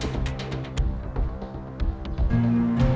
belum ketemu mang